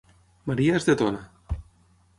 Maria és de Tona